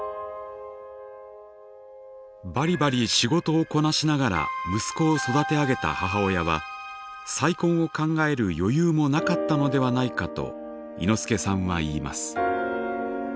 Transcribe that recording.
バリバリ仕事をこなしながら息子を育て上げた母親は再婚を考える余裕もなかったのではないかといのすけさんは言います。